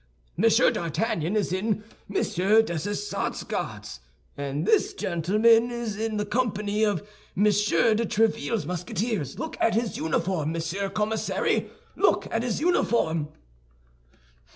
Monsieur d'Artagnan is in Monsieur Dessessart's Guards, and this gentleman is in the company of Monsieur de Tréville's Musketeers. Look at his uniform, Monsieur Commissary, look at his uniform!"